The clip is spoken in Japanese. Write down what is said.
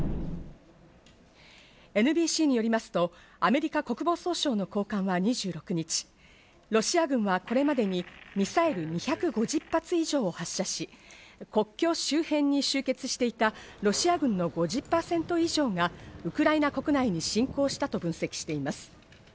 ＮＢＣによりますと、アメリカ国防総省の高官は２６日、ロシア軍はこれまでにミサイル２５０発以上を発射し、国境周辺に集結していたロシア軍の５０％以上がウクライナ国内に侵攻したと分析しています。